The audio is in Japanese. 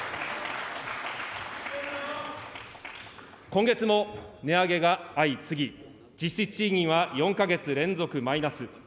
今月も値上げが相次ぎ、実質賃金は４か月連続マイナス。